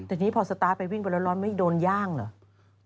แต่นี่พอสตาร์ทไปวิ่งไปร้อนไม่โดนย่างเหรอ